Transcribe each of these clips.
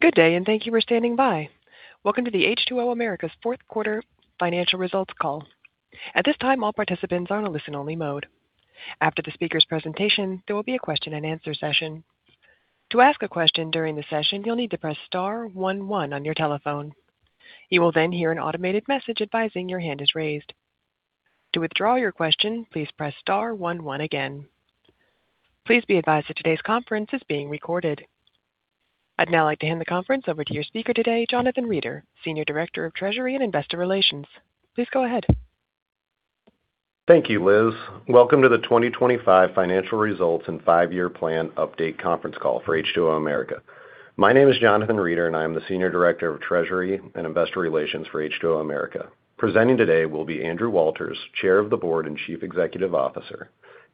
Good day, and thank you for standing by. Welcome to the H2O America's fourth quarter financial results call. At this time, all participants are on a listen-only mode. After the speaker's presentation, there will be a question-and-answer session. To ask a question during the session, you'll need to press star one one on your telephone. You will then hear an automated message advising your hand is raised. To withdraw your question, please press star one one again. Please be advised that today's conference is being recorded. I'd now like to hand the conference over to your speaker today, Jonathan Reeder, Senior Director of Treasury and Investor Relations. Please go ahead. Thank you, Liz. Welcome to the 2025 financial results and 5-year plan update conference call for H2O America. My name is Jonathan Reeder, and I am the Senior Director of Treasury and Investor Relations for H2O America. Presenting today will be Andrew Walters, Chair of the Board and Chief Executive Officer,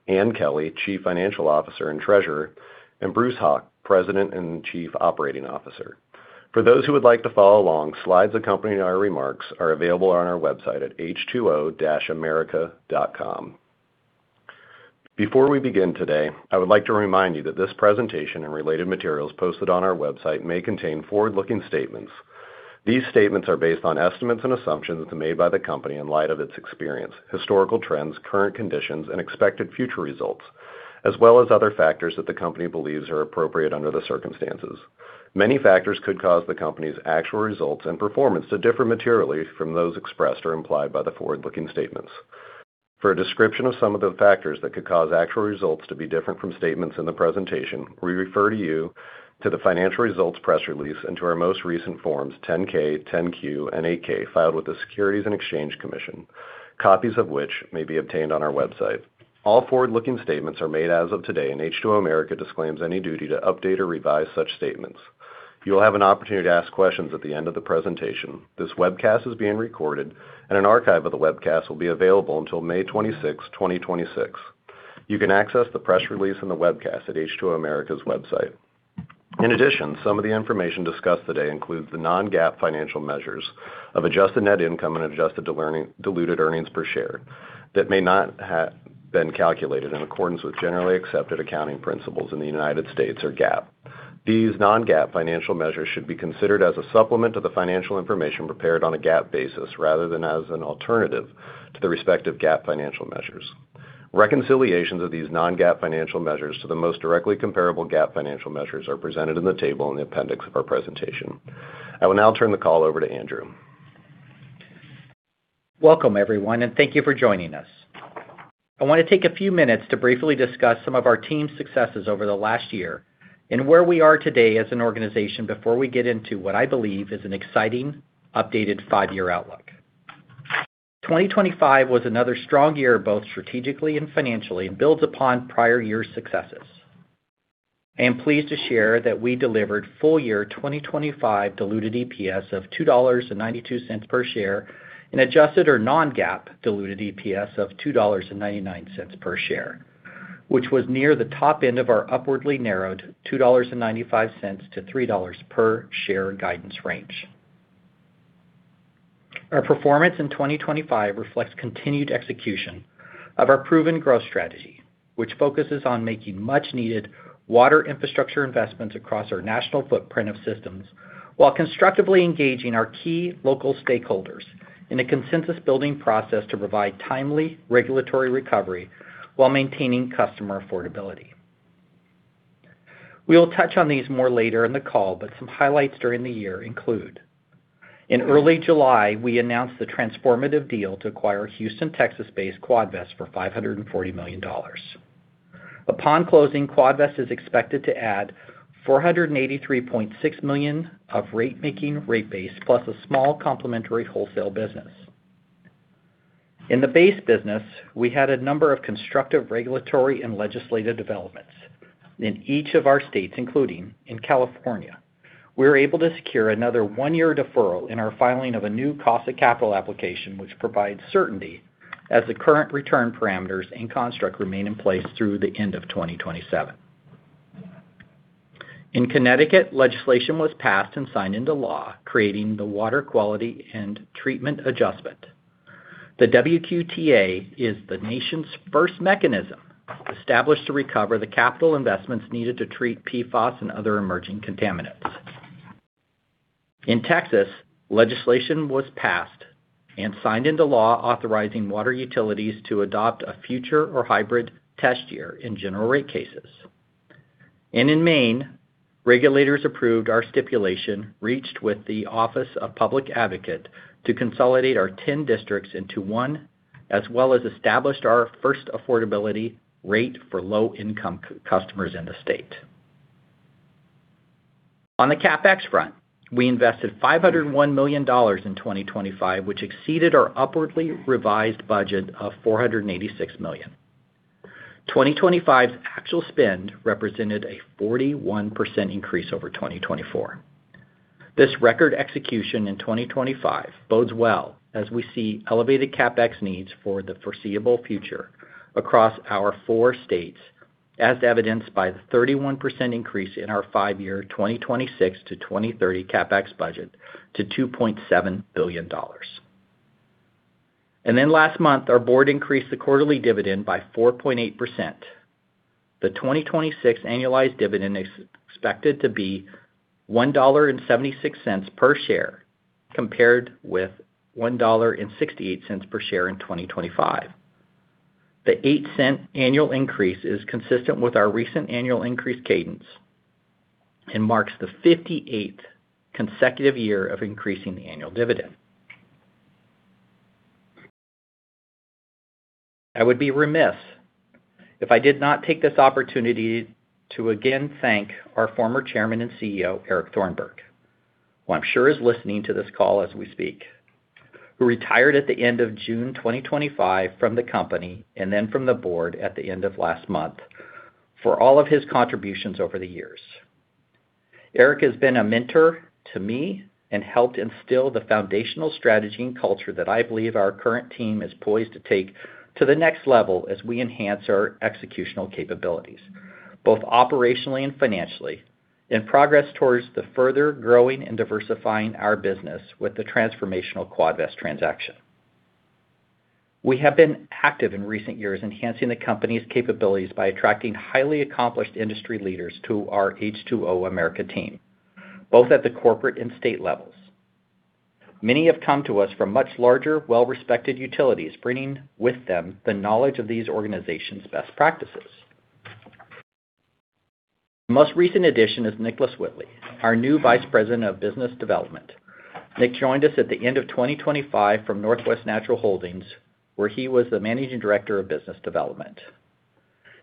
Ann Kelly, Chief Financial Officer and Treasurer, and Bruce A. Hauk, President and Chief Operating Officer. For those who would like to follow along, slides accompanying our remarks are available on our website at H2O-America.com. Before we begin today, I would like to remind you that this presentation and related materials posted on our website may contain forward-looking statements. These statements are based on estimates and assumptions made by the company in light of its experience, historical trends, current conditions, and expected future results, as well as other factors that the company believes are appropriate under the circumstances. Many factors could cause the company's actual results and performance to differ materially from those expressed or implied by the forward-looking statements. For a description of some of the factors that could cause actual results to be different from statements in the presentation, we refer you to the financial results press release and to our most recent Forms 10-K, 10-Q, and 8-K filed with the Securities and Exchange Commission, copies of which may be obtained on our website. All forward-looking statements are made as of today, and H2O America disclaims any duty to update or revise such statements. You will have an opportunity to ask questions at the end of the presentation. This webcast is being recorded, and an archive of the webcast will be available until May 26, 2026. You can access the press release and the webcast at H2O America's website. In addition, some of the information discussed today includes the non-GAAP financial measures of adjusted net income and adjusted diluted earnings per share that may not have been calculated in accordance with generally accepted accounting principles in the United States or GAAP. These non-GAAP financial measures should be considered as a supplement to the financial information prepared on a GAAP basis, rather than as an alternative to the respective GAAP financial measures. Reconciliations of these non-GAAP financial measures to the most directly comparable GAAP financial measures are presented in the table in the appendix of our presentation. I will now turn the call over to Andrew. Welcome, everyone, and thank you for joining us. I want to take a few minutes to briefly discuss some of our team's successes over the last year and where we are today as an organization before we get into what I believe is an exciting, updated five-year outlook. 2025 was another strong year, both strategically and financially, and builds upon prior years' successes. I am pleased to share that we delivered full year 2025 diluted EPS of $2.92 per share and adjusted or non-GAAP diluted EPS of $2.99 per share, which was near the top end of our upwardly narrowed $2.95-$3.00 per share guidance range. Our performance in 2025 reflects continued execution of our proven growth strategy, which focuses on making much-needed water infrastructure investments across our national footprint of systems, while constructively engaging our key local stakeholders in a consensus-building process to provide timely regulatory recovery while maintaining customer affordability. Some highlights during the year include: In early July, we announced the transformative deal to acquire Houston, Texas-based Quadvest for $540 million. Upon closing, Quadvest is expected to add $483.6 million of rate making rate base, plus a small complementary wholesale business. In the base business, we had a number of constructive, regulatory and legislative developments in each of our states, including in California. We were able to secure another one-year deferral in our filing of a new cost of capital application, which provides certainty as the current return parameters and construct remain in place through the end of 2027. In Connecticut, legislation was passed and signed into law, creating the Water Quality and Treatment Adjustment. The WQTA is the nation's first mechanism established to recover the capital investments needed to treat PFOS and other emerging contaminants. In Texas, legislation was passed and signed into law authorizing water utilities to adopt a future or hybrid test year in general rate cases. In Maine, regulators approved our stipulation, reached with the Office of Public Advocate, to consolidate our 10 districts into one, as well as established our first affordability year for low-income customers in the state. On the CapEx front, we invested $501 million in 2025, which exceeded our upwardly revised budget of $486 million. 2025's actual spend represented a 41% increase over 2024. This record execution in 2025 bodes well as we see elevated CapEx needs for the foreseeable future across our four states, as evidenced by the 31% increase in our 5-year 2026-2030 CapEx budget to $2.7 billion. Last month, our board increased the quarterly dividend by 4.8%. The 2026 annualized dividend is expected to be $1.76 per share, compared with $1.68 per share in 2025. The $0.08 annual increase is consistent with our recent annual increase cadence and marks the 58th consecutive year of increasing the annual dividend. I would be remiss if I did not take this opportunity to again thank our former Chairman and CEO, Eric Thornburgh, who I'm sure is listening to this call as we speak, who retired at the end of June 2025 from the company, and then from the board at the end of last month, for all of his contributions over the years. Eric has been a mentor to me and helped instill the foundational strategy and culture that I believe our current team is poised to take to the next level as we enhance our executional capabilities, both operationally and financially, and progress towards the further growing and diversifying our business with the transformational Quadvest transaction. We have been active in recent years, enhancing the company's capabilities by attracting highly accomplished industry leaders to our H2O America team, both at the corporate and state levels. Many have come to us from much larger, well-respected utilities, bringing with them the knowledge of these organizations' best practices. The most recent addition is Nicholas Whitley, our new Vice President of Business Development. Nick joined us at the end of 2025 from Northwest Natural Holdings, where he was the Managing Director of Business Development.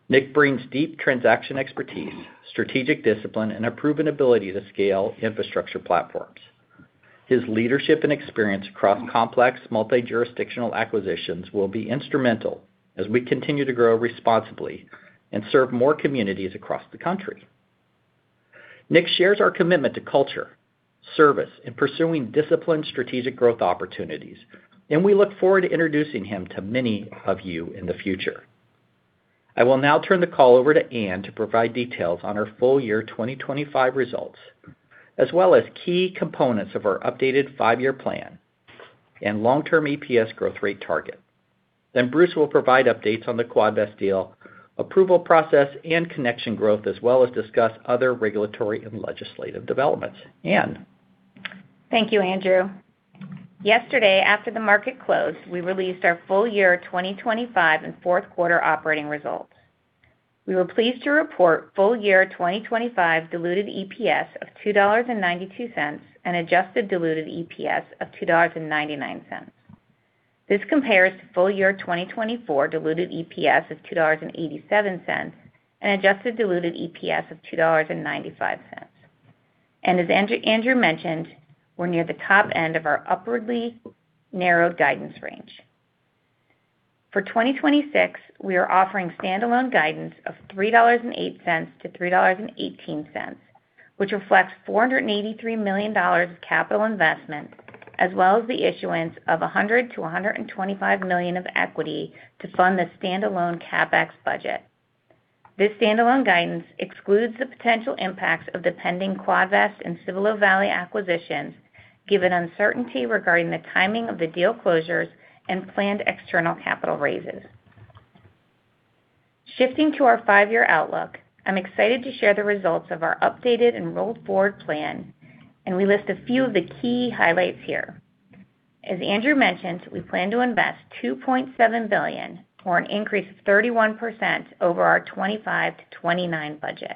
Nick brings deep transaction expertise, strategic discipline, and a proven ability to scale infrastructure platforms. His leadership and experience across complex, multi-jurisdictional acquisitions will be instrumental as we continue to grow responsibly and serve more communities across the country. Nick shares our commitment to culture, service, and pursuing disciplined strategic growth opportunities. We look forward to introducing him to many of you in the future. I will now turn the call over to Ann to provide details on our full year 2025 results, as well as key components of our updated 5-year plan and long-term EPS growth rate target. Bruce will provide updates on the Quadvest deal, approval process, and connection growth, as well as discuss other regulatory and legislative developments. Ann? Thank you, Andrew. Yesterday, after the market closed, we released our full year 2025 and fourth quarter operating results. We were pleased to report full year 2025 diluted EPS of $2.92 and adjusted diluted EPS of $2.99. This compares to full year 2024 diluted EPS of $2.87 and adjusted diluted EPS of $2.95. As Andrew mentioned, we're near the top end of our upwardly narrowed guidance range. For 2026, we are offering standalone guidance of $3.08-$3.18, which reflects $483 million of capital investment, as well as the issuance of $100 million-$125 million of equity to fund the standalone CapEx budget. This standalone guidance excludes the potential impacts of the pending Quadvest and Cibolo Valley acquisitions, given uncertainty regarding the timing of the deal closures and planned external capital raises. Shifting to our five-year outlook, I'm excited to share the results of our updated and rolled forward plan, and we list a few of the key highlights here. As Andrew mentioned, we plan to invest $2.7 billion, or an increase of 31% over our 2025-2029 budget,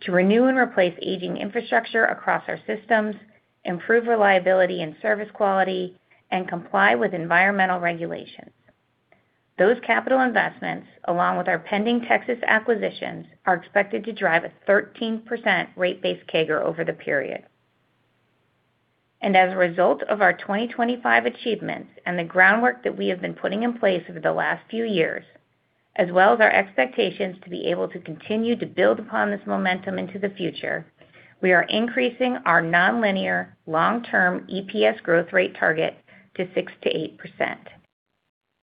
to renew and replace aging infrastructure across our systems, improve reliability and service quality, and comply with environmental regulations. Those capital investments, along with our pending Texas acquisitions, are expected to drive a 13% rate base CAGR over the period. As a result of our 2025 achievements and the groundwork that we have been putting in place over the last few years, as well as our expectations to be able to continue to build upon this momentum into the future, we are increasing our nonlinear long-term EPS growth rate target to 6%-8%.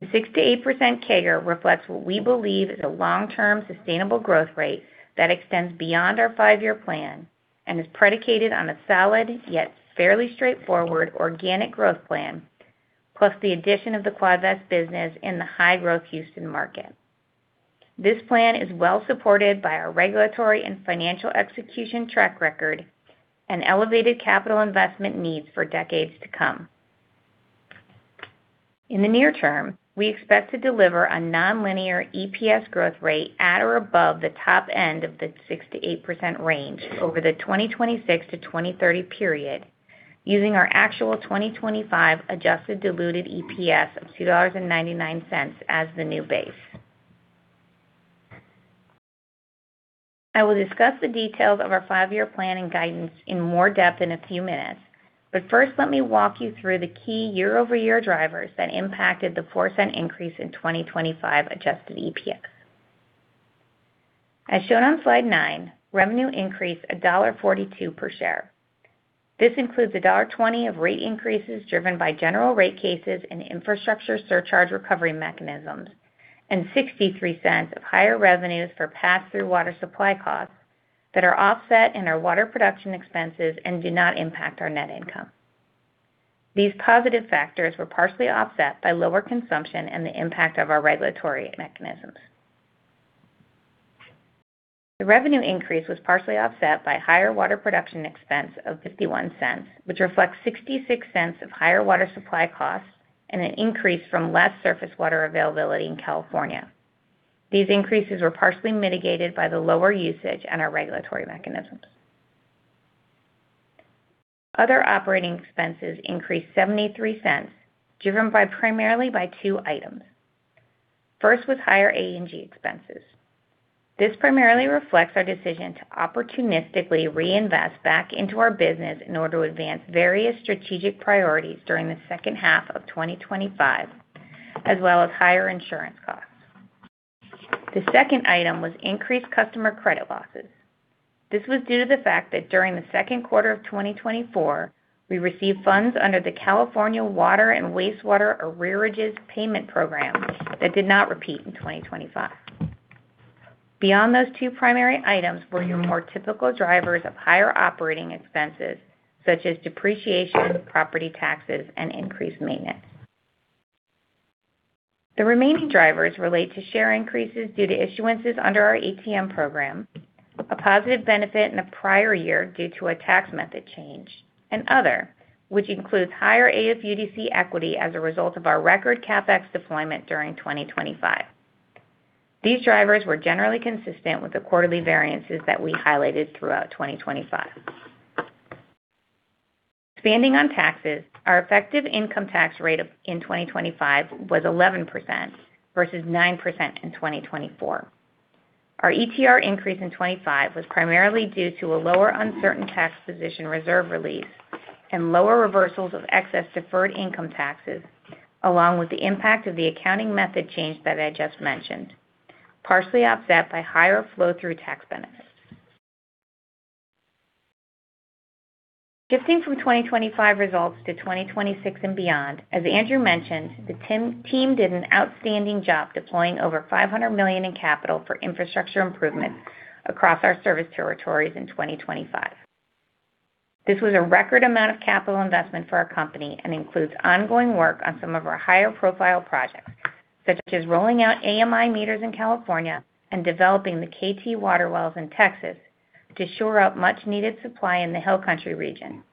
The 6%-8% CAGR reflects what we believe is a long-term, sustainable growth rate that extends beyond our five-year plan and is predicated on a solid, yet fairly straightforward organic growth plan, plus the addition of the Quadvest business in the high-growth Houston market. This plan is well supported by our regulatory and financial execution track record and elevated capital investment needs for decades to come. In the near term, we expect to deliver a nonlinear EPS growth rate at or above the top end of the 6%-8% range over the 2026 to 2030 period, using our actual 2025 adjusted diluted EPS of $2.99 as the new base. I will discuss the details of our five-year plan and guidance in more depth in a few minutes. First, let me walk you through the key year-over-year drivers that impacted the $0.04 increase in 2025 adjusted EPS. As shown on slide nine, revenue increased $1.42 per share. This includes $1.20 of rate increases driven by general rate cases and infrastructure surcharge recovery mechanisms, and $0.63 of higher revenues for pass-through water supply costs that are offset in our water production expenses and do not impact our net income. These positive factors were partially offset by lower consumption and the impact of our regulatory mechanisms. The revenue increase was partially offset by higher water production expense of $0.51, which reflects $0.66 of higher water supply costs and an increase from less surface water availability in California. These increases were partially mitigated by the lower usage and our regulatory mechanisms. Other operating expenses increased $0.73, driven by primarily by two items. First, was higher A&G expenses. This primarily reflects our decision to opportunistically reinvest back into our business in order to advance various strategic priorities during the second half of 2025, as well as higher insurance costs. The second item was increased customer credit losses. This was due to the fact that during the second quarter of 2024, we received funds under the California Water and Wastewater Arrearages Payment Program that did not repeat in 2025. Beyond those two primary items were your more typical drivers of higher operating expenses, such as depreciation, property taxes, and increased maintenance. The remaining drivers relate to share increases due to issuances under our ATM program, a positive benefit in the prior year due to a tax method change, and other, which includes higher AFUDC equity as a result of our record CapEx deployment during 2025. These drivers were generally consistent with the quarterly variances that we highlighted throughout 2025. Expanding on taxes, our effective income tax rate in 2025 was 11% versus 9% in 2024. Our ETR increase in 2025 was primarily due to a lower uncertain tax position reserve release and lower reversals of excess deferred income taxes, along with the impact of the accounting method change that I just mentioned, partially offset by higher flow-through tax benefits. Shifting from 2025 results to 2026 and beyond, as Andrew mentioned, the team did an outstanding job deploying over $500 million in capital for infrastructure improvements across our service territories in 2025. This was a record amount of capital investment for our company and includes ongoing work on some of our higher profile projects, such as rolling out AMI meters in California and developing the KT water wells in Texas to shore up much-needed supply in the Hill Country region.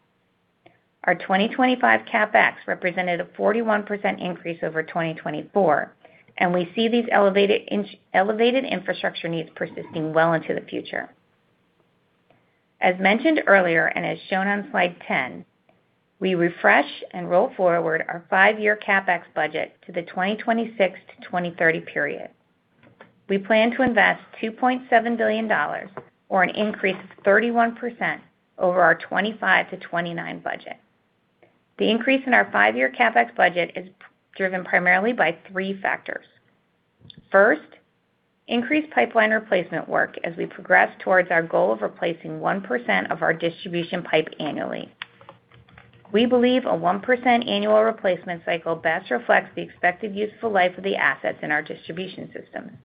Our 2025 CapEx represented a 41% increase over 2024, and we see these elevated infrastructure needs persisting well into the future. As mentioned earlier, and as shown on slide 10, we refresh and roll forward our five-year CapEx budget to the 2026-2030 period. We plan to invest $2.7 billion, or an increase of 31% over our 2025-2029 budget. The increase in our five-year CapEx budget is driven primarily by three factors. First, increased pipeline replacement work as we progress towards our goal of replacing 1% of our distribution pipe annually. We believe a 1% annual replacement cycle best reflects the expected useful life of the assets in our distribution system.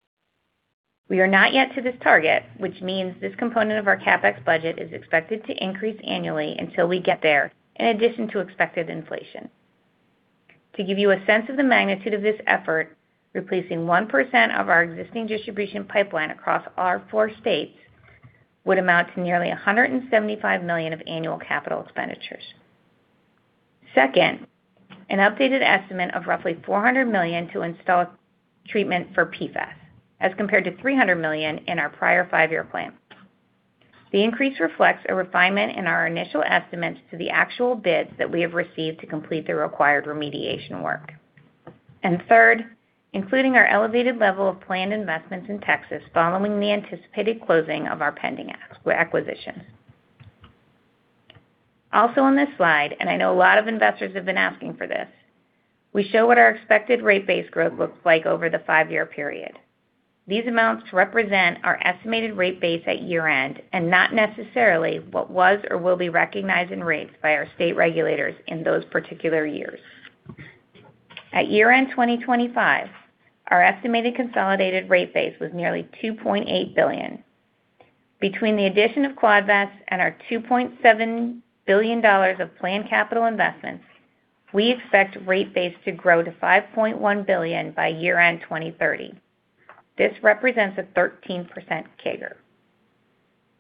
We are not yet to this target, which means this component of our CapEx budget is expected to increase annually until we get there, in addition to expected inflation. To give you a sense of the magnitude of this effort, replacing 1% of our existing distribution pipeline across our four states would amount to nearly $175 million of annual capital expenditures. An updated estimate of roughly $400 million to install treatment for PFAS, as compared to $300 million in our prior five-year plan. The increase reflects a refinement in our initial estimates to the actual bids that we have received to complete the required remediation work. Third, including our elevated level of planned investments in Texas following the anticipated closing of our pending acquisition. Also on this slide, and I know a lot of investors have been asking for this, we show what our expected rate base growth looks like over the 5-year period. These amounts represent our estimated rate base at year-end, and not necessarily what was or will be recognized in rates by our state regulators in those particular years. At year-end 2025, our estimated consolidated rate base was nearly $2.8 billion. Between the addition of Quadvest and our $2.7 billion of planned capital investments, we expect rate base to grow to $5.1 billion by year-end 2030. This represents a 13% CAGR.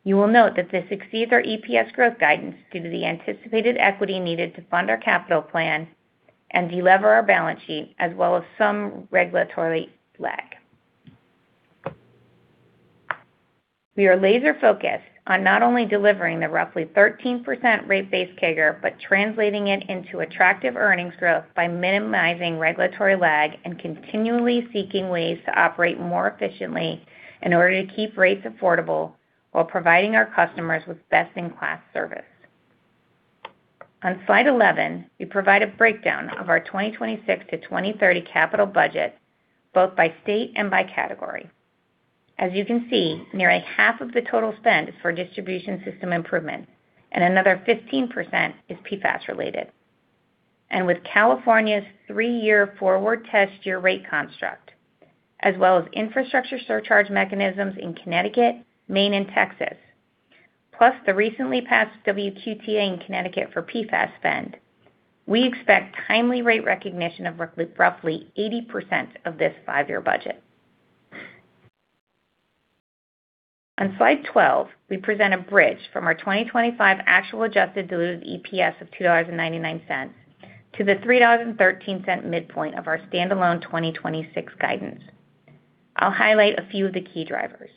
You will note that this exceeds our EPS growth guidance due to the anticipated equity needed to fund our capital plan and delever our balance sheet, as well as some regulatory lag. We are laser-focused on not only delivering the roughly 13% rate-based CAGR, but translating it into attractive earnings growth by minimizing regulatory lag and continually seeking ways to operate more efficiently in order to keep rates affordable while providing our customers with best-in-class service. On slide 11, we provide a breakdown of our 2026 to 2030 capital budget, both by state and by category. As you can see, nearly half of the total spend is for distribution system improvement, and another 15% is PFAS related. With California's three-year forward test year rate construct, as well as infrastructure surcharge mechanisms in Connecticut, Maine, and Texas, plus the recently passed WQTA in Connecticut for PFAS spend, we expect timely rate recognition of roughly 80% of this five-year budget. On Slide 12, we present a bridge from our 2025 actual adjusted diluted EPS of $2.99 to the $3.13 midpoint of our standalone 2026 guidance. I'll highlight a few of the key drivers.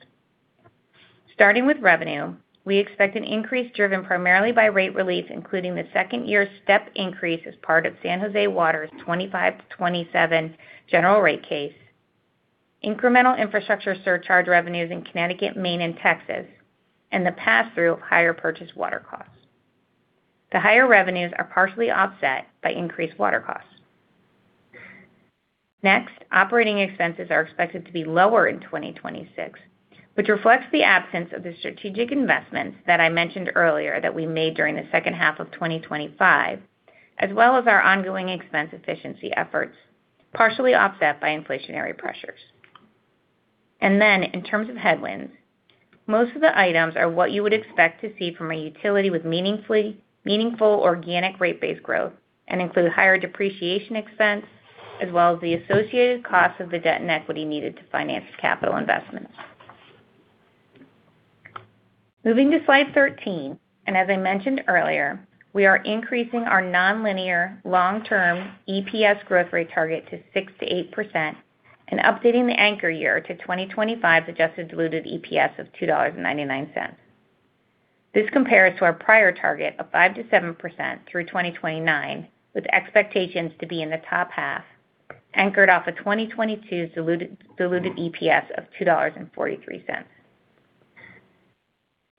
Starting with revenue, we expect an increase driven primarily by rate relief, including the second year step increase as part of San Jose Water's 2025-2027 general rate case, incremental infrastructure surcharge revenues in Connecticut, Maine and Texas, and the pass-through of higher purchase water costs. The higher revenues are partially offset by increased water costs. Operating expenses are expected to be lower in 2026, which reflects the absence of the strategic investments that I mentioned earlier that we made during the second half of 2025, as well as our ongoing expense efficiency efforts, partially offset by inflationary pressures. In terms of headwinds, most of the items are what you would expect to see from a utility with meaningful organic rate base growth and include higher depreciation expense, as well as the associated costs of the debt and equity needed to finance capital investments. Moving to slide 13, as I mentioned earlier, we are increasing our nonlinear long-term EPS growth rate target to 6%-8% and updating the anchor year to 2025's adjusted diluted EPS of $2.99. This compares to our prior target of 5%-7% through 2029, with expectations to be in the top half, anchored off a 2022's diluted EPS of $2.43.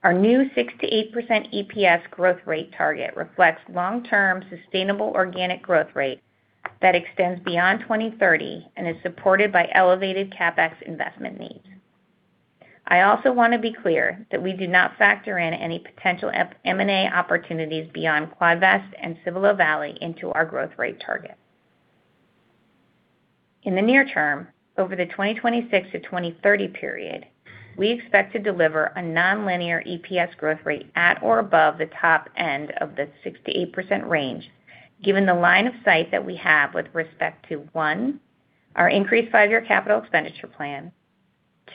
Our new 6%-8% EPS growth rate target reflects long-term sustainable organic growth rate that extends beyond 2030 and is supported by elevated CapEx investment needs. I also want to be clear that we do not factor in any potential M&A opportunities beyond Quadvest and Cibolo Valley into our growth rate target. In the near term, over the 2026 to 2030 period, we expect to deliver a nonlinear EPS growth rate at or above the top end of the 6%-8% range, given the line of sight that we have with respect to, 1, our increased 5-year CapEx plan,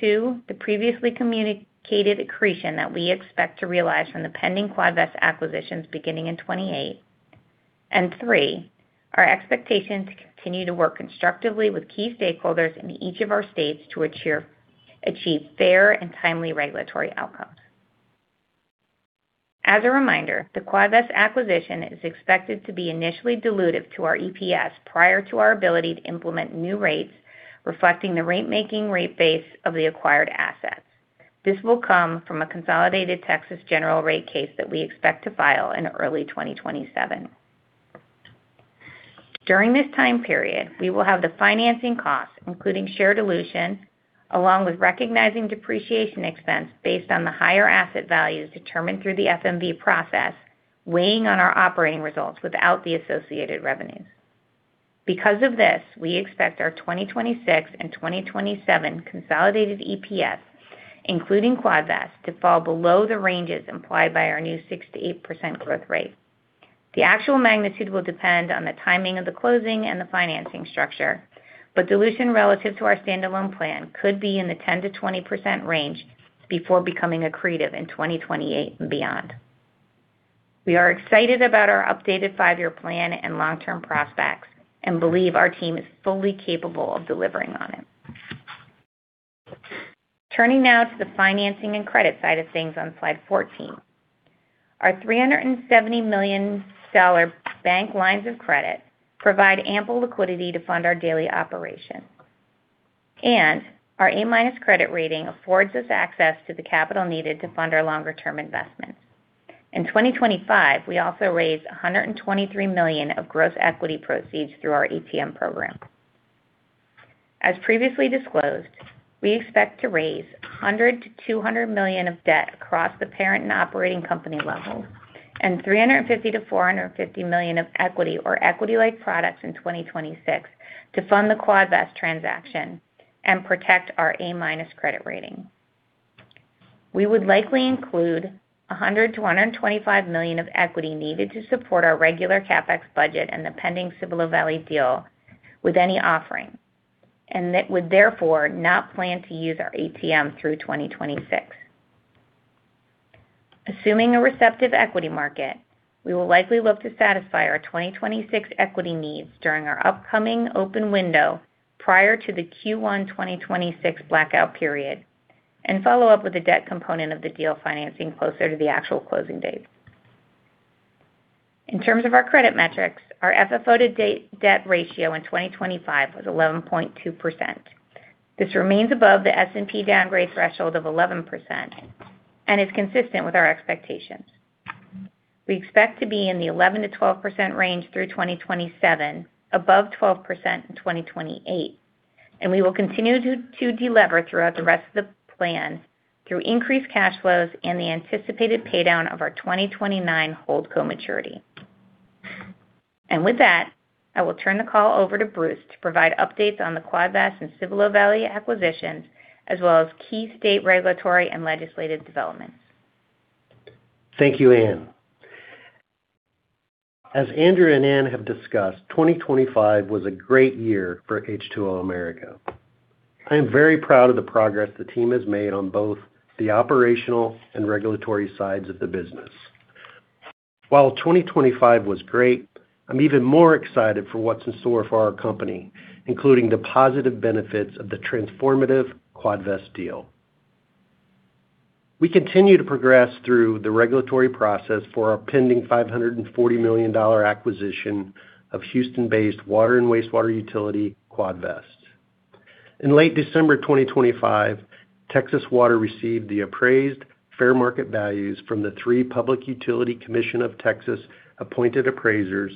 2, the previously communicated accretion that we expect to realize from the pending Quadvest acquisitions beginning in 2028, and 3, our expectation to continue to work constructively with key stakeholders in each of our states to achieve fair and timely regulatory outcomes. As a reminder, the Quadvest acquisition is expected to be initially dilutive to our EPS prior to our ability to implement new rates, reflecting the rate making rate base of the acquired assets. This will come from a consolidated Texas general rate case that we expect to file in early 2027. During this time period, we will have the financing costs, including share dilution, along with recognizing depreciation expense based on the higher asset values determined through the FMV process, weighing on our operating results without the associated revenues. Because of this, we expect our 2026 and 2027 consolidated EPS, including Quadvest, to fall below the ranges implied by our new 6%-8% growth rate. The actual magnitude will depend on the timing of the closing and the financing structure, but dilution relative to our standalone plan could be in the 10%-20% range before becoming accretive in 2028 and beyond. We are excited about our updated five-year plan and long-term prospects and believe our team is fully capable of delivering on it. Turning now to the financing and credit side of things on Slide 14. Our $370 million bank lines of credit provide ample liquidity to fund our daily operations, and our A-minus credit rating affords us access to the capital needed to fund our longer-term investments. In 2025, we also raised $123 million of gross equity proceeds through our ATM program. As previously disclosed, we expect to raise $100 million-$200 million of debt across the parent and operating company level and $350 million-$450 million of equity or equity-like products in 2026 to fund the Quadvest transaction and protect our A-minus credit rating. We would likely include $100 million-$125 million of equity needed to support our regular CapEx budget and the pending Cibolo Valley deal with any offering, and that would therefore not plan to use our ATM through 2026. Assuming a receptive equity market, we will likely look to satisfy our 2026 equity needs during our upcoming open window prior to the Q1 2026 blackout period and follow up with the debt component of the deal financing closer to the actual closing date. In terms of our credit metrics, our FFO to debt ratio in 2025 was 11.2%. This remains above the S&P downgrade threshold of 11% and is consistent with our expectations. We expect to be in the 11%-12% range through 2027, above 12% in 2028. We will continue to delever throughout the rest of the plan through increased cash flows and the anticipated paydown of our 2029 holdco maturity. With that, I will turn the call over to Bruce to provide updates on the Quadvest and Cibolo Valley acquisitions, as well as key state regulatory and legislative developments. Thank you, Ann. As Andrew and Ann have discussed, 2025 was a great year for H2O America. I am very proud of the progress the team has made on both the operational and regulatory sides of the business. While 2025 was great, I'm even more excited for what's in store for our company, including the positive benefits of the transformative Quadvest deal. We continue to progress through the regulatory process for our pending $540 million acquisition of Houston-based water and wastewater utility, Quadvest. In late December 2025, Texas Water received the appraised fair market values from the three Public Utility Commission of Texas-appointed appraisers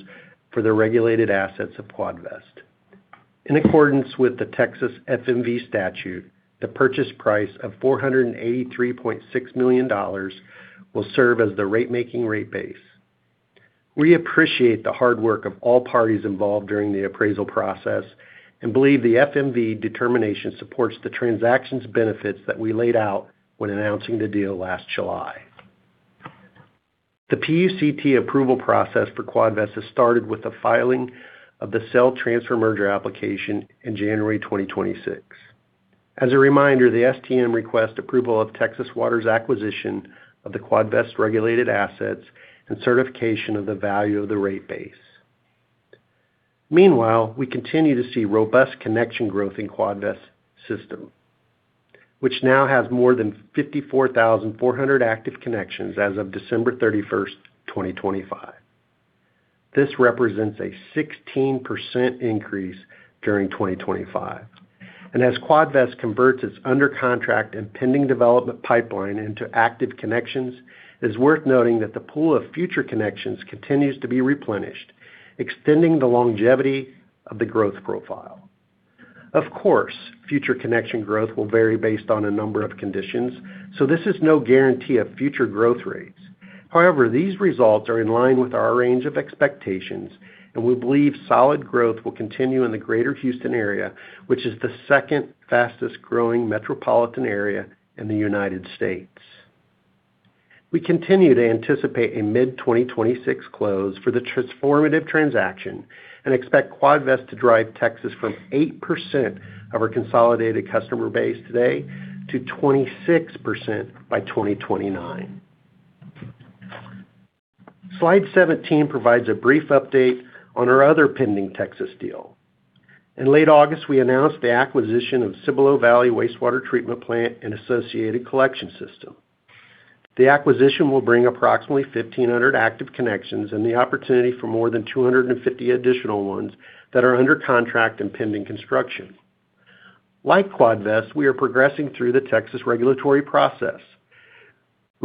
for the regulated assets of Quadvest. In accordance with the Texas FMV statute, the purchase price of $483.6 million will serve as the rate-making rate base. We appreciate the hard work of all parties involved during the appraisal process and believe the FMV determination supports the transaction's benefits that we laid out when announcing the deal last July. The PUCT approval process for Quadvest has started with the filing of the Sale-Transfer-Merger application in January 2026. As a reminder, the STM requests approval of Texas Water's acquisition of the Quadvest regulated assets and certification of the value of the rate base. Meanwhile, we continue to see robust connection growth in Quadvest's system, which now has more than 54,400 active connections as of December 31, 2025. This represents a 16% increase during 2025. As Quadvest converts its under contract and pending development pipeline into active connections, it's worth noting that the pool of future connections continues to be replenished, extending the longevity of the growth profile. Future connection growth will vary based on a number of conditions, so this is no guarantee of future growth rates. These results are in line with our range of expectations, and we believe solid growth will continue in the Greater Houston area, which is the second fastest growing metropolitan area in the United States. We continue to anticipate a mid-2026 close for the transformative transaction and expect Quadvest to drive Texas from 8% of our consolidated customer base today to 26% by 2029. Slide 17 provides a brief update on our other pending Texas deal. In late August, we announced the acquisition of Cibolo Valley Wastewater Treatment Plant and associated collection system. The acquisition will bring approximately 1,500 active connections and the opportunity for more than 250 additional ones that are under contract and pending construction. Like Quadvest, we are progressing through the Texas regulatory process.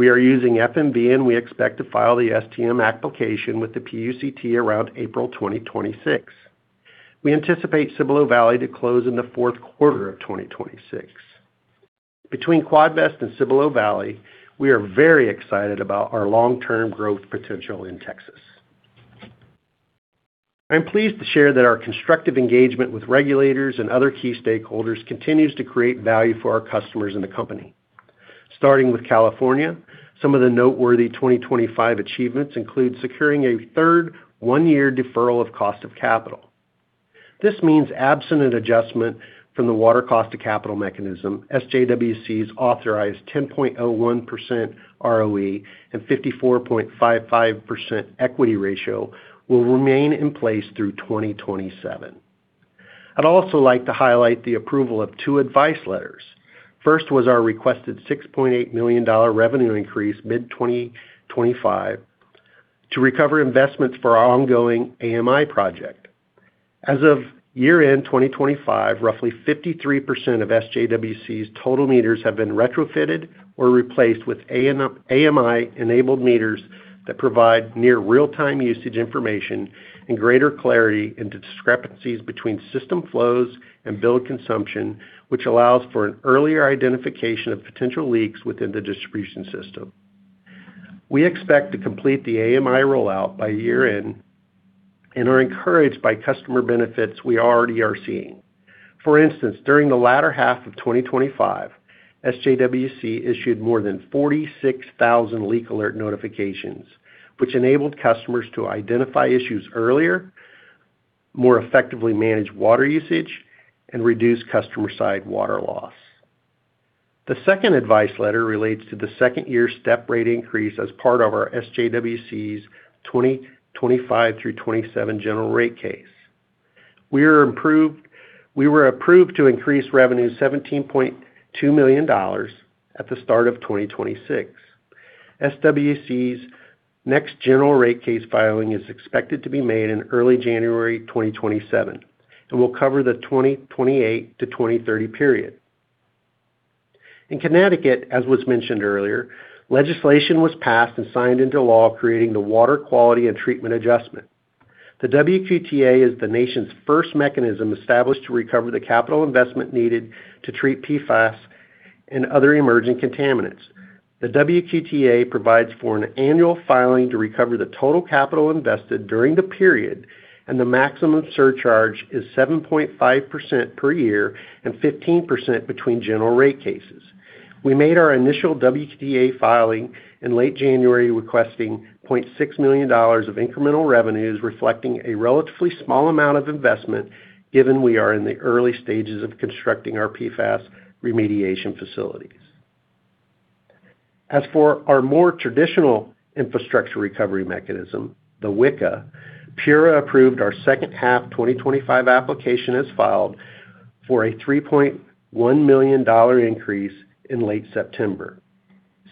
We are using FMV, and we expect to file the STM application with the PUCT around April 2026. We anticipate Cibolo Valley to close in the fourth quarter of 2026. Between Quadvest and Cibolo Valley, we are very excited about our long-term growth potential in Texas. I'm pleased to share that our constructive engagement with regulators and other key stakeholders continues to create value for our customers and the company. Starting with California, some of the noteworthy 2025 achievements include securing a third 1-year deferral of cost of capital. This means absent an adjustment from the Water Cost of Capital Mechanism, SJWC's authorized 10.01% ROE and 54.55% equity ratio will remain in place through 2027. I'd also like to highlight the approval of 2 advice letters. First was our requested $6.8 million revenue increase mid-2025 to recover investments for our ongoing AMI project. As of year-end 2025, roughly 53% of SJWC's total meters have been retrofitted or replaced with AMI-enabled meters that provide near real-time usage information and greater clarity into discrepancies between system flows and bill consumption, which allows for an earlier identification of potential leaks within the distribution system. We expect to complete the AMI rollout by year-end and are encouraged by customer benefits we already are seeing. For instance, during the latter half of 2025, SJWC issued more than 46,000 leak alert notifications, which enabled customers to identify issues earlier, more effectively manage water usage, and reduce customer-side water loss. The second advice letter relates to the second-year step rate increase as part of our SJWC's 2025 through 2027 general rate case. We were approved to increase revenue $17.2 million at the start of 2026. SJWC's next general rate case filing is expected to be made in early January 2027 and will cover the 2028-2030 period. In Connecticut, as was mentioned earlier, legislation was passed and signed into law, creating the Water Quality and Treatment Adjustment. The WQTA is the nation's first mechanism established to recover the capital investment needed to treat PFAS and other emerging contaminants. The WQTA provides for an annual filing to recover the total capital invested during the period, and the maximum surcharge is 7.5% per year and 15% between general rate cases. We made our initial WQTA filing in late January, requesting $0.6 million of incremental revenues, reflecting a relatively small amount of investment, given we are in the early stages of constructing our PFAS remediation facilities. Our more traditional infrastructure recovery mechanism, the WICA, PURA approved our second half 2025 application as filed for a $3.1 million increase in late September.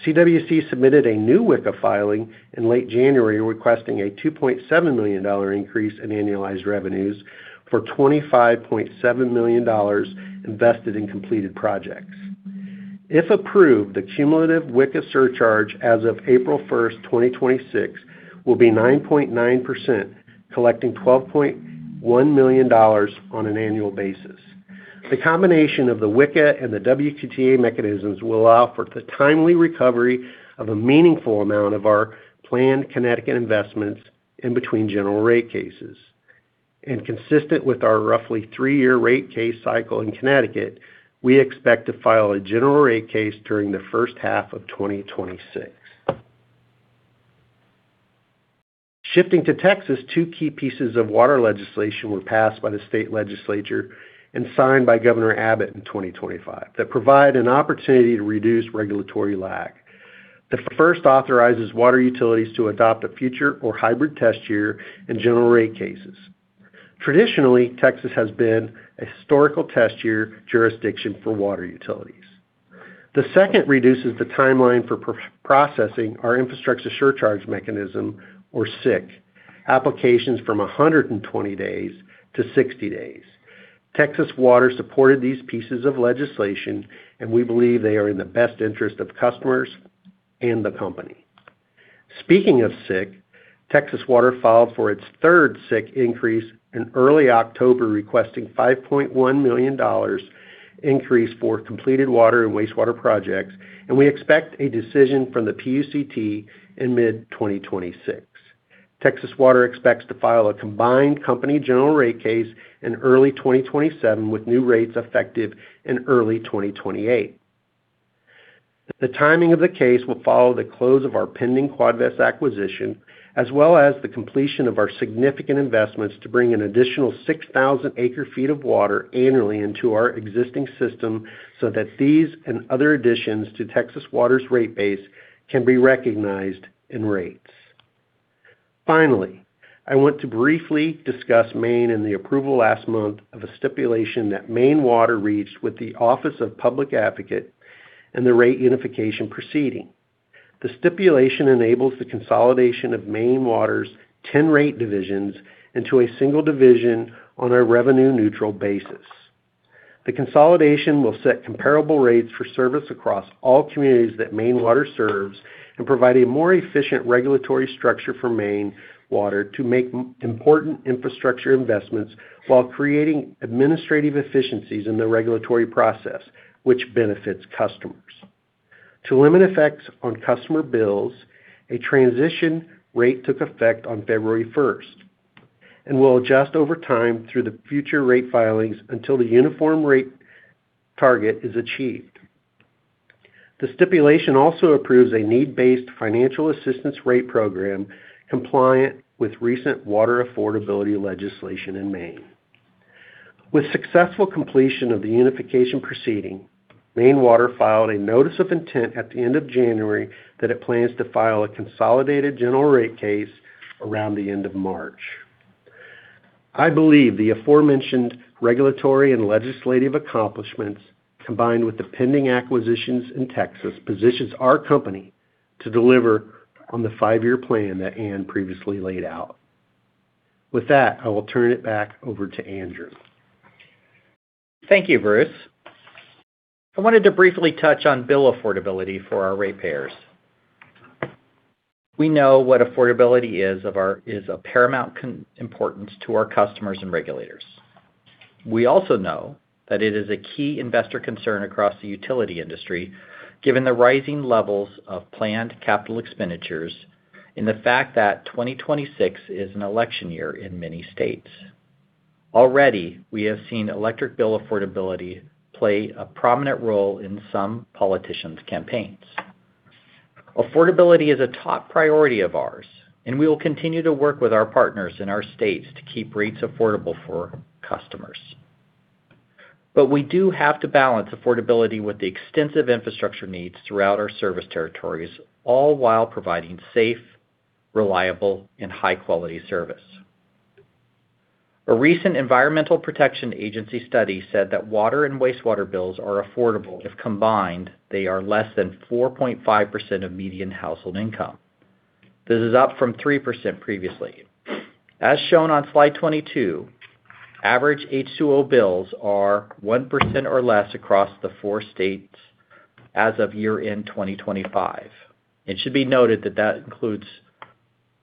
CWC submitted a new WICA filing in late January, requesting a $2.7 million increase in annualized revenues for $25.7 million invested in completed projects. If approved, the cumulative WICA surcharge as of April 1, 2026, will be 9.9%, collecting $12.1 million on an annual basis. The combination of the WICA and the WQTA mechanisms will allow for the timely recovery of a meaningful amount of our planned Connecticut investments in between general rate cases. Consistent with our roughly 3-year rate case cycle in Connecticut, we expect to file a general rate case during the 1st half of 2026. Shifting to Texas, 2 key pieces of water legislation were passed by the state legislature and signed by Governor Abbott in 2025 that provide an opportunity to reduce regulatory lag. The 1st authorizes water utilities to adopt a future or hybrid test year in general rate cases. Traditionally, Texas has been a historical test year jurisdiction for water utilities. The 2nd reduces the timeline for processing our infrastructure surcharge mechanism, or SIC, applications from 120 days to 60 days. Texas Water supported these pieces of legislation. We believe they are in the best interest of customers and the company. Speaking of SIC, Texas Water filed for its third SIC increase in early October, requesting $5.1 million increase for completed water and wastewater projects, and we expect a decision from the PUCT in mid-2026. Texas Water expects to file a combined company general rate case in early 2027, with new rates effective in early 2028. The timing of the case will follow the close of our pending Quadvest acquisition, as well as the completion of our significant investments to bring an additional 6,000 acre feet of water annually into our existing system, so that these and other additions to Texas Water's rate base can be recognized in rates. Finally, I want to briefly discuss Maine and the approval last month of a stipulation that Maine Water reached with the Office of Public Advocate and the rate unification proceeding. The stipulation enables the consolidation of Maine Water's 10 rate divisions into a single division on a revenue-neutral basis. The consolidation will set comparable rates for service across all communities that Maine Water serves and provide a more efficient regulatory structure for Maine Water to make important infrastructure investments while creating administrative efficiencies in the regulatory process, which benefits customers. To limit effects on customer bills, a transition rate took effect on February first and will adjust over time through the future rate filings until the uniform rate target is achieved. The stipulation also approves a need-based financial assistance rate program compliant with recent water affordability legislation in Maine. With successful completion of the unification proceeding, Maine Water filed a notice of intent at the end of January that it plans to file a consolidated general rate case around the end of March. I believe the aforementioned regulatory and legislative accomplishments, combined with the pending acquisitions in Texas, positions our company to deliver on the 5-year plan that Ann previously laid out. With that, I will turn it back over to Andrew. Thank you, Bruce. I wanted to briefly touch on bill affordability for our ratepayers. We know what affordability is of paramount importance to our customers and regulators. We also know that it is a key investor concern across the utility industry, given the rising levels of planned capital expenditures and the fact that 2026 is an election year in many states. Already, we have seen electric bill affordability play a prominent role in some politicians' campaigns. Affordability is a top priority of ours, and we will continue to work with our partners in our states to keep rates affordable for customers. We do have to balance affordability with the extensive infrastructure needs throughout our service territories, all while providing safe, reliable, and high-quality service. A recent Environmental Protection Agency study said that water and wastewater bills are affordable if combined, they are less than 4.5% of median household income. This is up from 3% previously. As shown on slide 22, average H2O bills are 1% or less across the four states as of year-end 2025. It should be noted that includes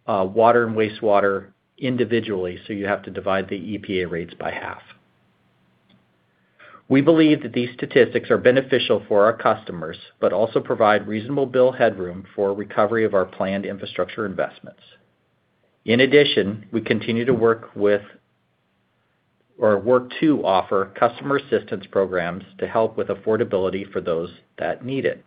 water and wastewater individually, so you have to divide the EPA rates by half. We believe that these statistics are beneficial for our customers, but also provide reasonable bill headroom for recovery of our planned infrastructure investments. In addition, we continue to work to offer customer assistance programs to help with affordability for those that need it.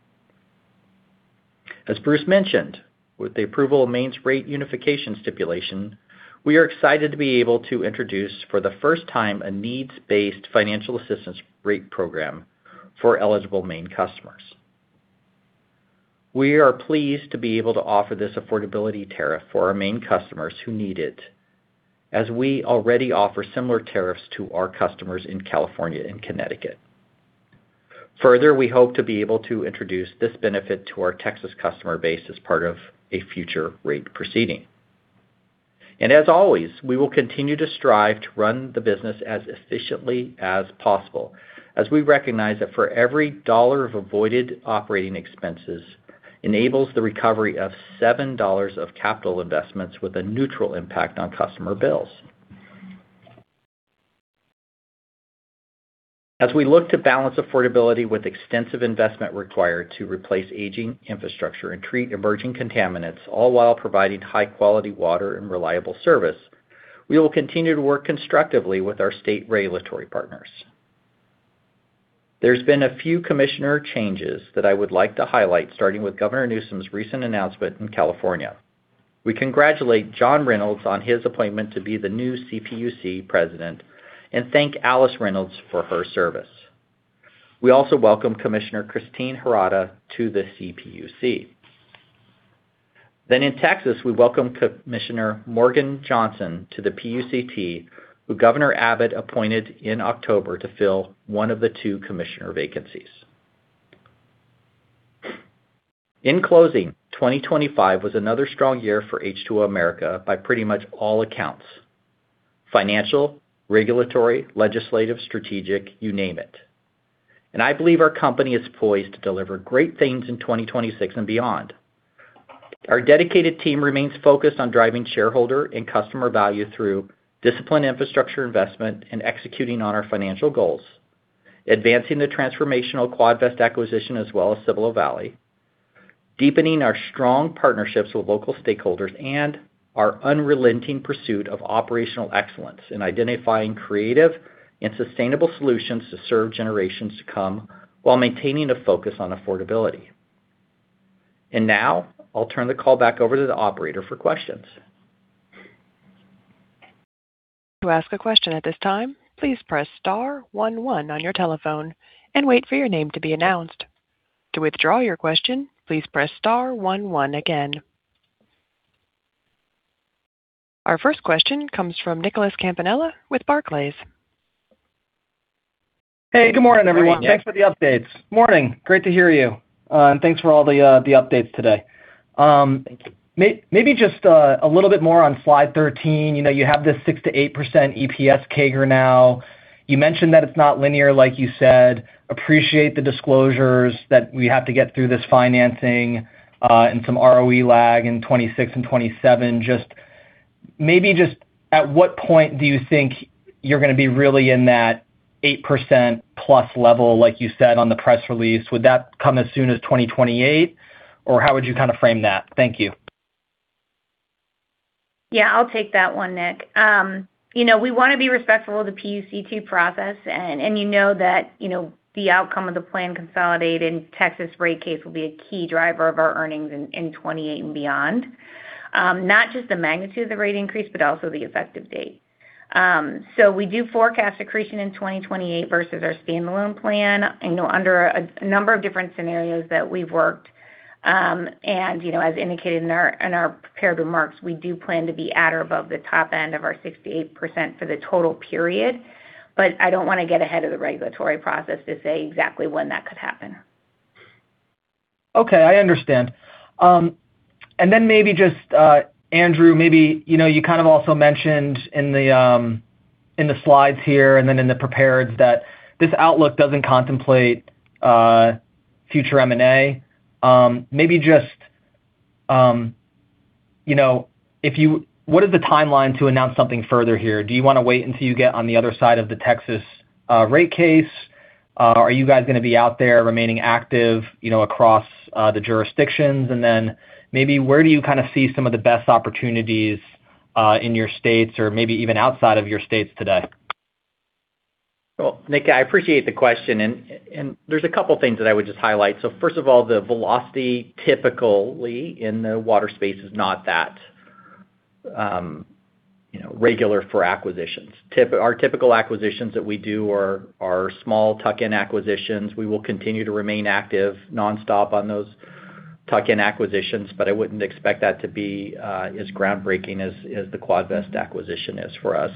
As Bruce mentioned, with the approval of Maine's rate unification stipulation, we are excited to be able to introduce for the first time, a needs-based financial assistance rate program for eligible Maine customers. We are pleased to be able to offer this affordability tariff for our Maine customers who need it, as we already offer similar tariffs to our customers in California and Connecticut. Further, we hope to be able to introduce this benefit to our Texas customer base as part of a future rate proceeding. As always, we will continue to strive to run the business as efficiently as possible, as we recognize that for every $1 of avoided OpEx enables the recovery of $7 of CapEx with a neutral impact on customer bills. As we look to balance affordability with extensive investment required to replace aging infrastructure and treat emerging contaminants, all while providing high-quality water and reliable service, we will continue to work constructively with our state regulatory partners. There's been a few commissioner changes that I would like to highlight, starting with Governor Newsom's recent announcement in California. We congratulate John Reynolds on his appointment to be the new CPUC president and thank Alice Reynolds for her service. We also welcome Commissioner Christine Harada to the CPUC. In Texas, we welcome Commissioner Morgan Johnson to the PUCT, who Governor Abbott appointed in October to fill one of the two commissioner vacancies. In closing, 2025 was another strong year for H2O America by pretty much all accounts, financial, regulatory, legislative, strategic, you name it. I believe our company is poised to deliver great things in 2026 and beyond. Our dedicated team remains focused on driving shareholder and customer value through disciplined infrastructure investment and executing on our financial goals, advancing the transformational Quadvest acquisition as well as Cibolo Valley, deepening our strong partnerships with local stakeholders, and our unrelenting pursuit of operational excellence in identifying creative and sustainable solutions to serve generations to come while maintaining a focus on affordability. Now, I'll turn the call back over to the operator for questions. To ask a question at this time, please press star one one on your telephone and wait for your name to be announced. To withdraw your question, please press star one one again. Our first question comes from Nicholas Campanella with Barclays. Hey, good morning, everyone. Thanks for the updates. Morning. Great to hear you, and thanks for all the updates today. Thank you. Maybe just a little bit more on slide 13. You know, you have this 6%-8% EPS CAGR now. You mentioned that it's not linear, like you said. Appreciate the disclosures that we have to get through this financing, and some ROE lag in 2026 and 2027. Maybe just at what point do you think you're going to be really in that 8%+ level, like you said on the press release? Would that come as soon as 2028, or how would you kind of frame that? Thank you. Yeah, I'll take that one, Nick. You know, we want to be respectful of the PUCT process, and you know that, you know, the outcome of the plan consolidated Texas rate case will be a key driver of our earnings in 2028 and beyond. Not just the magnitude of the rate increase, but also the effective date. We do forecast accretion in 2028 versus our standalone plan, you know, under a number of different scenarios that we've worked. You know, as indicated in our prepared remarks, we do plan to be at or above the top end of our 68% for the total period. I don't want to get ahead of the regulatory process to say exactly when that could happen. Okay, I understand. Maybe just Andrew, maybe, you know, you kind of also mentioned in the slides here and then in the prepared, that this outlook doesn't contemplate future M&A. Maybe just, you know, what is the timeline to announce something further here? Do you want to wait until you get on the other side of the Texas rate case? Are you guys going to be out there remaining active, you know, across the jurisdictions? Maybe where do you kind of see some of the best opportunities in your states or maybe even outside of your states today? Nick, I appreciate the question, and there's a couple things that I would just highlight. First of all, the velocity, typically, in the water space is not that, you know, regular for acquisitions. Our typical acquisitions that we do are small tuck-in acquisitions. We will continue to remain active nonstop on those tuck-in acquisitions, I wouldn't expect that to be as groundbreaking as the Quadvest acquisition is for us.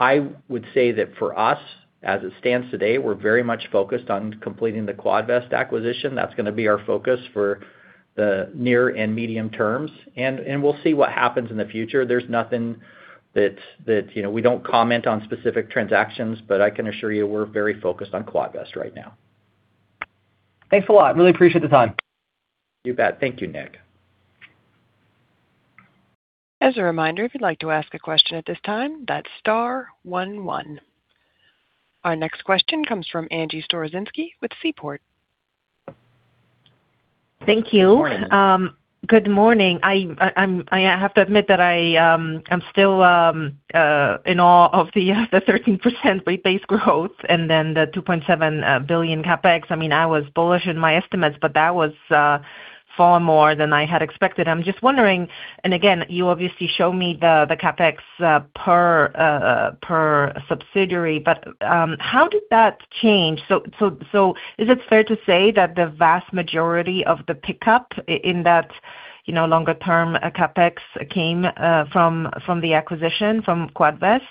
I would say that for us, as it stands today, we're very much focused on completing the Quadvest acquisition. That's going to be our focus for the near and medium terms, and we'll see what happens in the future. There's nothing that, you know, we don't comment on specific transactions, I can assure you we're very focused on Quadvest right now. Thanks a lot. Really appreciate the time. You bet. Thank you, Nick. As a reminder, if you'd like to ask a question at this time, that's star one. Our next question comes from Angie Storozinski with Seaport. Thank you. Good morning. Good morning. I have to admit that I'm still in awe of the 13% rate-based growth and then the $2.7 billion CapEx. I mean, I was bullish in my estimates, but that was far more than I had expected. I'm just wondering. Again, you obviously show me the CapEx per per subsidiary, but how did that change? Is it fair to say that the vast majority of the pickup in that, you know, longer-term CapEx came from the acquisition, from Quadvest?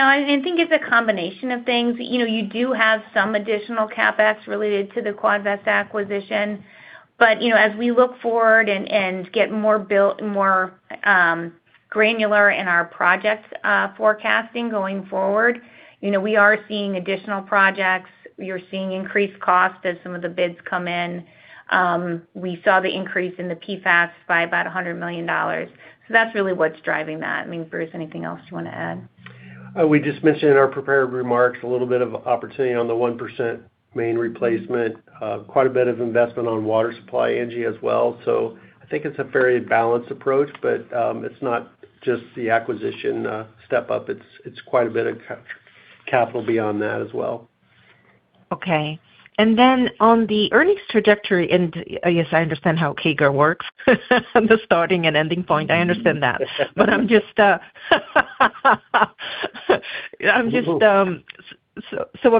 I think it's a combination of things. You know, you do have some additional CapEx related to the Quadvest acquisition, as we look forward and get more built, more granular in our projects, forecasting going forward, you know, we are seeing additional projects. You're seeing increased costs as some of the bids come in. We saw the increase in the PFAS by about $100 million. That's really what's driving that. I mean, Bruce, anything else you want to add? We just mentioned in our prepared remarks a little bit of opportunity on the 1% main replacement, quite a bit of investment on water supply, Angie, as well. I think it's a very balanced approach, but it's not just the acquisition step up, it's quite a bit of capital beyond that as well. Okay. On the earnings trajectory, yes, I understand how CAGR works, the starting and ending point. I understand that. I'm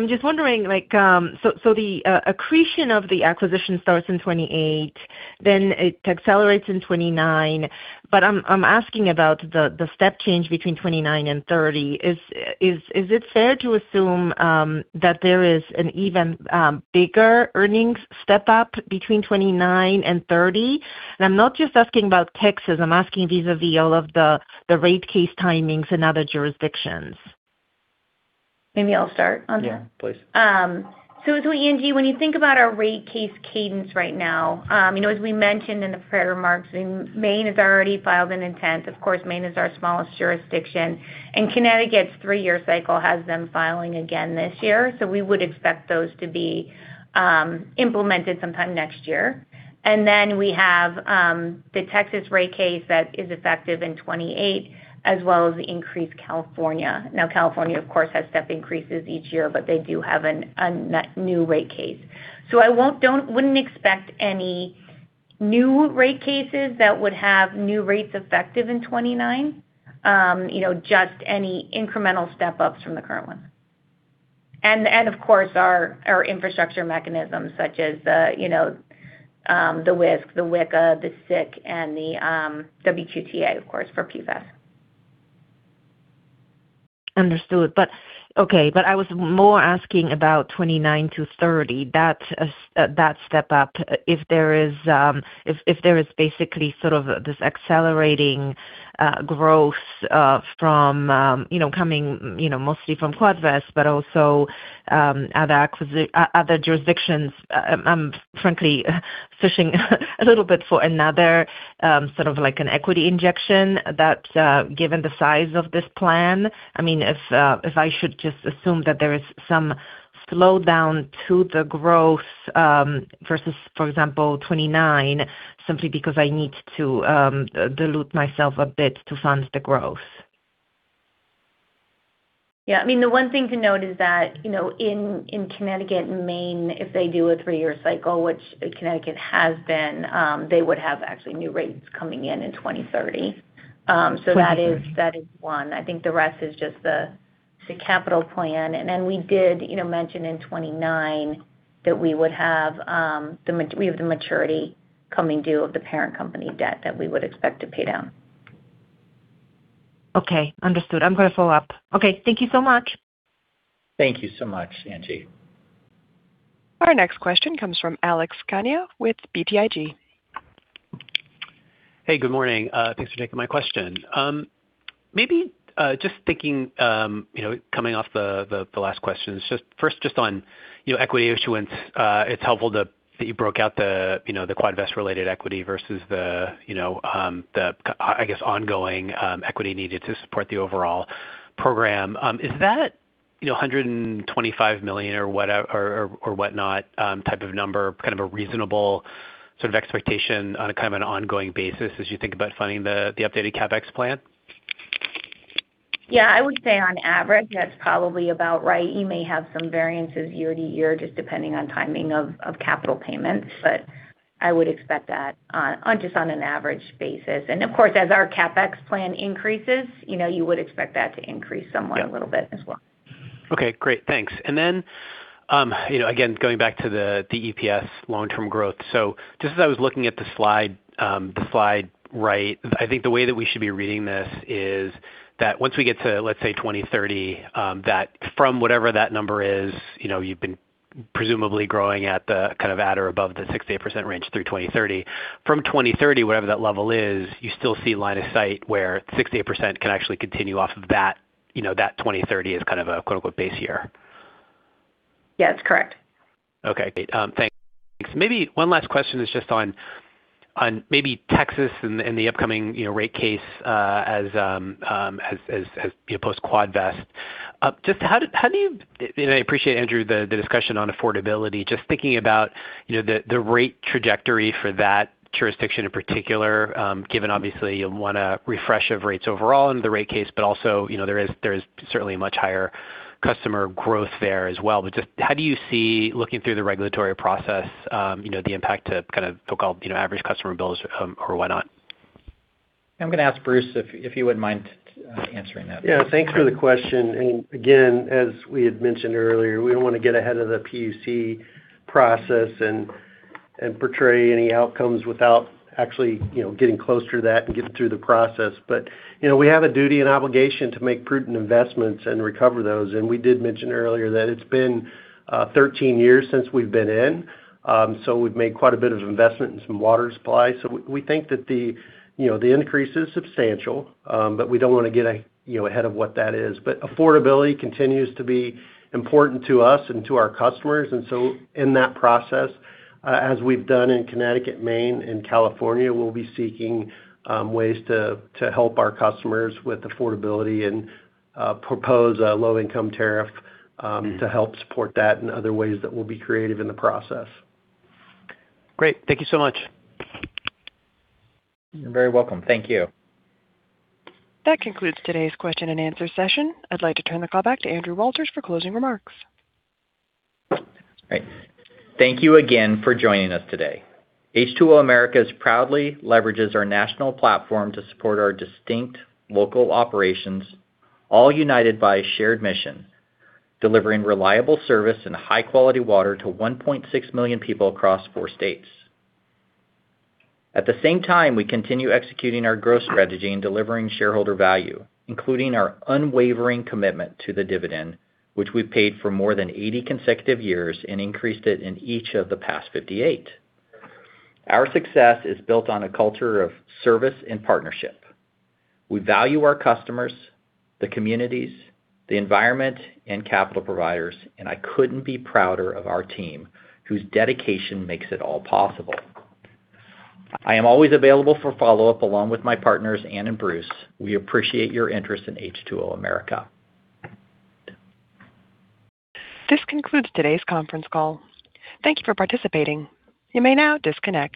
just wondering, like, the accretion of the acquisition starts in 2028, then it accelerates in 2029. I'm asking about the step change between 2029 and 2030. Is it fair to assume that there is an even bigger earnings step-up between 2029 and 2030? I'm not just asking about Texas, I'm asking vis-a-vis all of the rate case timings in other jurisdictions. Maybe I'll start on that. Yeah, please. As with Angie, when you think about our rate case cadence right now, you know, as we mentioned in the prepared remarks, Maine has already filed an intent. Of course, Maine is our smallest jurisdiction, and Connecticut's 3-year cycle has them filing again this year. We would expect those to be implemented sometime next year. We have the Texas rate case that is effective in 2028, as well as increased California. Now, California, of course, has step increases each year, but they do have a net new rate case. I wouldn't expect any new rate cases that would have new rates effective in 2029, you know, just any incremental step-ups from the current one. Of course, our infrastructure mechanisms such as the, you know, the WICA, the WICA, the SIC, and the WQTA, of course, for PFAS. Understood. Okay, but I was more asking about 29 to 30, that step up, if there is basically sort of this accelerating growth from, you know, coming mostly from Quadvest, but also other jurisdictions. I'm frankly fishing a little bit for another sort of like an equity injection that, given the size of this plan, I mean, if I should just assume that there is some slowdown to the growth versus, for example, 29, simply because I need to dilute myself a bit to fund the growth? I mean, the one thing to note is that, you know, in Connecticut and Maine, if they do a three-year cycle, which Connecticut has been, they would have actually new rates coming in in 2030. 2030. that is one. I think the rest is just the capital plan. We did, you know, mention in 2029 that we would have, we have the maturity coming due of the parent company debt that we would expect to pay down. Okay, understood. I'm going to follow up. Okay, thank you so much. Thank you so much, Angie. Our next question comes from Alex Kania with BTIG. Hey, good morning. Thanks for taking my question. Maybe, just thinking, you know, coming off the last questions, just first, just on, you know, equity issuance, it's helpful that you broke out the, you know, the Quadvest related equity versus the, you know, the, I guess, ongoing equity needed to support the overall program. Is that, you know, $125 million or whatnot type of number, kind of a reasonable sort of expectation on a kind of an ongoing basis as you think about funding the updated CapEx plan? Yeah, I would say on average, that's probably about right. You may have some variances year to year, just depending on timing of capital payments, but I would expect that on just on an average basis. Of course, as our CapEx plan increases, you know, you would expect that to increase somewhat. Yeah a little bit as well. Okay, great. Thanks. You know, again, going back to the EPS long-term growth. As I was looking at the slide, right, I think the way that we should be reading this is that once we get to, let's say, 2030, that from whatever that number is, you know, you've been presumably growing at the kind of at or above the 68% range through 2030. From 2030, whatever that level is, you still see line of sight where 68% can actually continue off of that, you know, that 2030 as kind of a quote, unquote, "base year. Yeah, that's correct. Okay, great. Thanks. Maybe one last question is just on maybe Texas and the upcoming, you know, rate case as post Quadvest. And I appreciate, Andrew, the discussion on affordability. Just thinking about, you know, the rate trajectory for that jurisdiction in particular, given obviously you want a refresh of rates overall in the rate case, but also, you know, there is certainly a much higher customer growth there as well. Just how do you see, looking through the regulatory process, you know, the impact to kind of so-called, you know, average customer bills, or why not? I'm going to ask Bruce if you wouldn't mind, answering that. Yeah, thanks for the question. Again, as we had mentioned earlier, we don't want to get ahead of the PUC process and portray any outcomes without actually getting close to that and getting through the process. We have a duty and obligation to make prudent investments and recover those. We did mention earlier that it's been 13 years since we've been in, so we've made quite a bit of investment in some water supply. We think that the increase is substantial, but we don't want to get ahead of what that is. Affordability continues to be important to us and to our customers. In that process, as we've done in Connecticut, Maine, and California, we'll be seeking ways to help our customers with affordability and propose a low-income tariff. Mm-hmm. To help support that and other ways that we'll be creative in the process. Great. Thank you so much. You're very welcome. Thank you. That concludes today's question and answer session. I'd like to turn the call back to Andrew Walters for closing remarks. Great. Thank you again for joining us today. H2O America proudly leverages our national platform to support our distinct local operations, all united by a shared mission: delivering reliable service and high-quality water to 1.6 million people across four states. At the same time, we continue executing our growth strategy and delivering shareholder value, including our unwavering commitment to the dividend, which we've paid for more than 80 consecutive years and increased it in each of the past 58. Our success is built on a culture of service and partnership. We value our customers, the communities, the environment, and capital providers, and I couldn't be prouder of our team, whose dedication makes it all possible. I am always available for follow-up, along with my partners, Ann and Bruce. We appreciate your interest in H2O America. This concludes today's conference call. Thank you for participating. You may now disconnect.